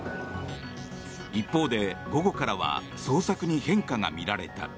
一方で午後からは捜索に変化が見られた。